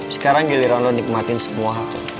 sekarang giliran lo nikmatin semua